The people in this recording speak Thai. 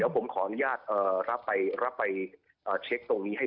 ผมขออนุญาตรับไปเช็คให้ได้ด้วยนะครับ